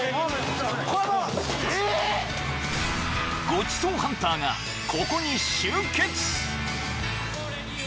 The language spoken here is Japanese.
［ごちそうハンターがここに集結］